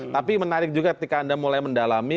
tapi menarik juga ketika anda mulai mendalami